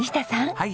はい。